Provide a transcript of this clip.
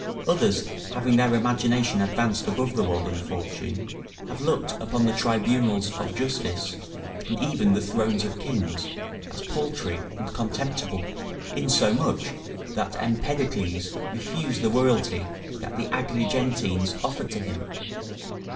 Others having their imagination advanced above the world and fortune, have looked upon the tribunals of justice, and even the thrones of kings, as paltry and contemptible; insomuch, that Empedocles refused the royalty that the Agrigentines offered to him.